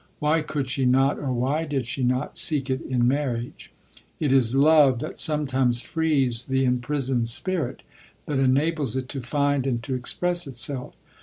Why could she not, or why did she not, seek it in marriage? It is love that sometimes "frees the imprisoned spirit," that enables it to find and to express itself.